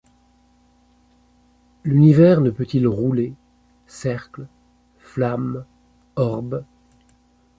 L’univers, ne peut-il rouler, cercle, flamme, orbe